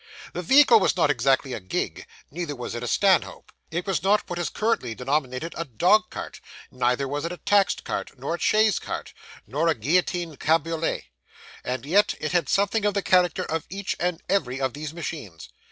The vehicle was not exactly a gig, neither was it a stanhope. It was not what is currently denominated a dog cart, neither was it a taxed cart, nor a chaise cart, nor a guillotined cabriolet; and yet it had something of the character of each and every of these machines.